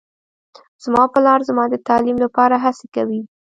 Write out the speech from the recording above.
زما پلار زما د تعلیم لپاره هڅې کوي